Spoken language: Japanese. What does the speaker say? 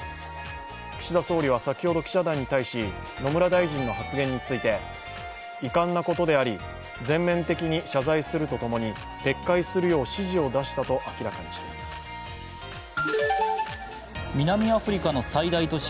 岸田総理は先ほど記者団に対し、野村大臣の発言について遺憾なことであり、全面的に謝罪するとともに撤回するよう指示を出したと明らかにしました南アフリカの最大都市・